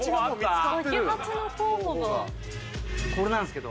これなんですけど。